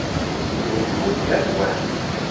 Tihin d weltma-twent?